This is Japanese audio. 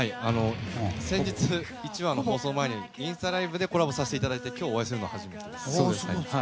先日、１話の放送前にインスタライブでコラボさせていただいて今日お会いするのが初めてです。